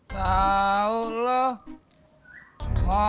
mak di sini